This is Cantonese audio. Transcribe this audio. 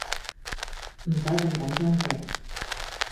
唔使咁緊張嘅